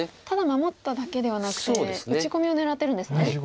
ただ守っただけではなくて打ち込みを狙ってるんですね。